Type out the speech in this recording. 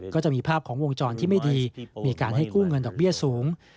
ก็จะมีภาพของวงจรที่ไม่ดีมีการให้กู้เงินดอกเบี้ยสูง